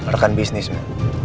rekan bisnis ma